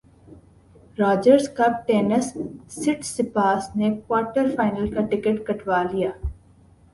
Rogers Cup tennis Tsitsipas نے quarter final کا ticket کٹوا لیا